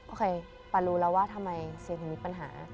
โอเคปานรู้แล้วว่าทำไมเสียผิดปัญหา